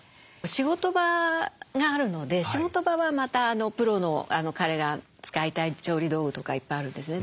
仕事場があるので仕事場はまたプロの彼が使いたい調理道具とかいっぱいあるんですね。